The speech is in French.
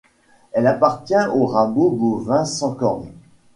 Elle appartient au rameau bovin sans cornes.